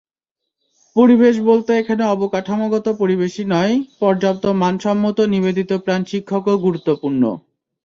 পরিবেশ বলতে এখানে অবকাঠামোগত পরিবেশই নয়, পর্যাপ্ত মানসম্মত নিবেদিতপ্রাণ শিক্ষকও গুরুত্বপূর্ণ।